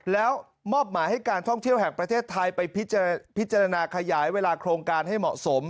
แล้วมอบหมายให้การท่องเที่ยวแห่งประเทศไทยไปพิจารณาขยายเวลาโครงการให้เหมาะสม